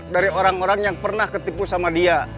dari orang orang yang pernah ketipu sama dia